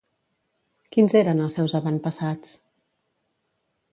Quins eren els seus avantpassats?